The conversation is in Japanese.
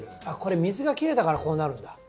あっこれ水が切れたからこうなるんだ。